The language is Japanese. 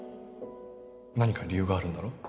何か理由があるんだろ？